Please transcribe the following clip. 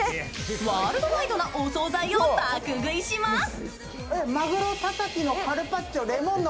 ワールドワイドなお惣菜を爆食いします。